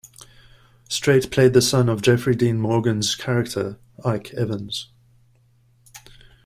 Strait played the son of Jeffrey Dean Morgan's character, Ike Evans.